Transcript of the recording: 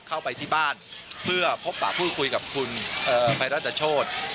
เข้าไปที่บ้านเพื่อพบป่าพูดคุยกับคุณภัยราชโชธ